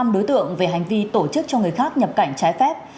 năm đối tượng về hành vi tổ chức cho người khác nhập cảnh trái phép